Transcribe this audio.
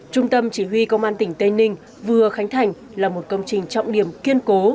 trung tâm chỉ huy công an tỉnh tây ninh vừa khánh thành là một công trình trọng điểm kiên cố